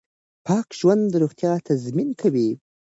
پاک ژوند د روغتیا تضمین کوي.